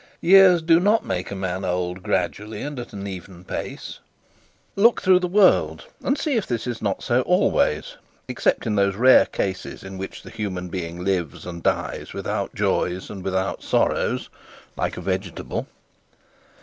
Years do not make a man old gradually and at an even pace. Look through the world and see if this is not so always, except in those rare cases in which the human being lives and dies without joys and without sorrows, like a vegetable.